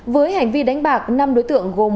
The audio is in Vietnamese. với hành vi đánh bạc năm đối tượng gồm